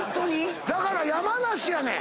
だから山梨やねん！